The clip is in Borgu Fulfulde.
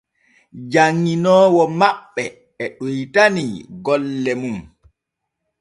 Janŋinoowo maɓɓe e ɗoytani golle mun.